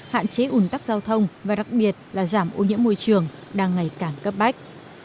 hạn chế ủn tắc giao thông và đặc biệt là giảm ô nhiễm môi trường đang ngày càng cấp bách